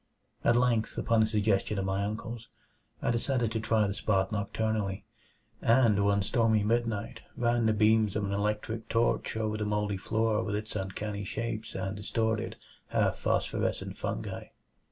At length, upon a suggestion of my uncle's, I decided to try the spot nocturnally; and one stormy midnight ran the beams of an electric torch over the moldy floor with its uncanny shapes and distorted, half phosphorescent fungi.